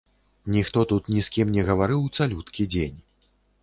Ніхто тут ні з кім не гаварыў цалюткі дзень.